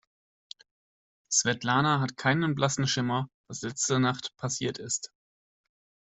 Svetlana hat keinen blassen Schimmer, was letzte Nacht passiert ist.